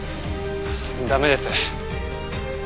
駄目です。